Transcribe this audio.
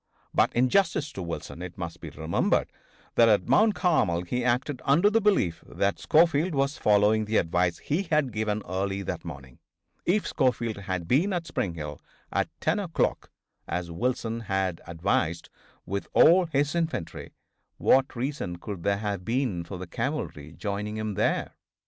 But in justice to Wilson it must be remembered that at Mount Carmel he acted under the belief that Schofield was following the advice he had given early that morning. If Schofield had been at Spring Hill at 10 o'clock, as Wilson had advised, with all his infantry, what reason could there have been for the cavalry joining him there?